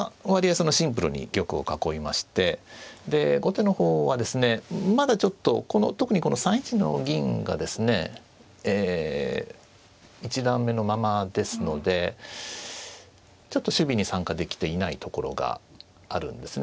そのシンプルに玉を囲いましてで後手の方はですねまだちょっと特にこの３一の銀がですねええ一段目のままですのでちょっと守備に参加できていないところがあるんですね。